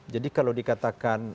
jadi kalau dikatakan